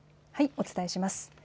お伝えします。